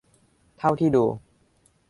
เท่าที่ดู